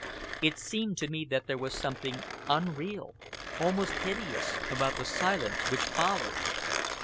It seemed to me that there was something unreal, almost hideous, about the silence which followed.